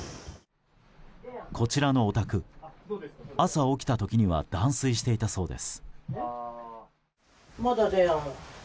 こちらのお宅、朝起きた時には断水していたそうです。